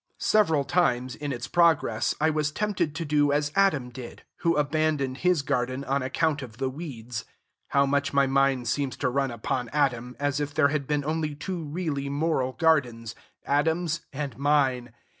Several times, in its progress, I was tempted to do as Adam did, who abandoned his garden on account of the weeds. (How much my mind seems to run upon Adam, as if there had been only two really moral gardens, Adam's and mine!)